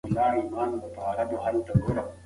د ودانیو په جوړولو کې تخنیکي معیارونه نه مراعت کېږي.